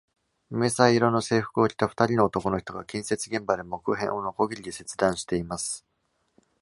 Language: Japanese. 迷彩色の制服を着た二人の男の人が建設現場で木片をノコギリで切断しています。